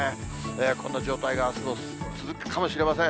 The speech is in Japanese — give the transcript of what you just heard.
こんな状態があすも続くかもしれません。